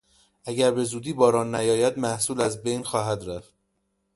اگر بزودی باران نیاید محصول از بین خواهد رفت.